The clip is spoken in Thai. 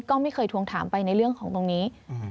ก็ไม่เคยทวงถามไปในเรื่องของตรงนี้